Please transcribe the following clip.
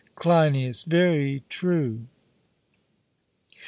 CLEINIAS: Very true.